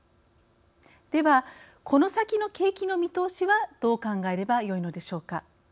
では、この先の景気の見通しはどう考えればよいのでしょうか。